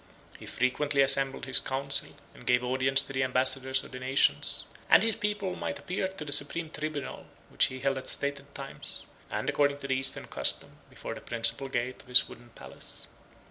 He frequently assembled his council, and gave audience to the ambassadors of the nations; and his people might appeal to the supreme tribunal, which he held at stated times, and, according to the Eastern custom, before the principal gate of his wooden palace.